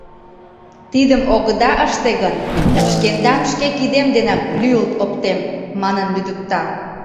«Тидым огыда ыште гын, шкендам шке кидем денак лӱйылт оптем! — манын лӱдыкта.